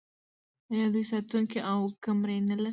آیا دوی ساتونکي او کمرې نلري؟